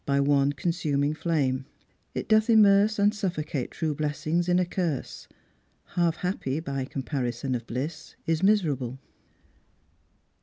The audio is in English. By one consuming flame : it doth immerse And suffocate true blessings in a curse. Half happy, by comparison of bliss, Is miserable."